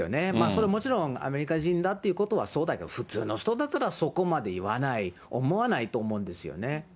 それ、もちろんアメリカ人だということはそうだけど、普通の人だったらそこまで言わない、思わないと思うんですよね。